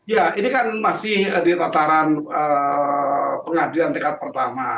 ya ini kan masih di tataran pengadilan tingkat pertama